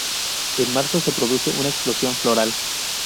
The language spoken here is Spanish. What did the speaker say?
En marzo, se produce una explosión floral.